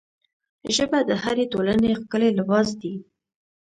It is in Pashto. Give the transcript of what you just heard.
ژبه د هرې ټولنې ښکلی لباس دی